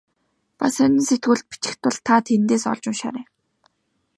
Бас сонин сэтгүүлд бичих тул та тэндээс олж уншаарай.